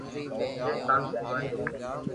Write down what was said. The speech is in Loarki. جي طاقتواري ھتي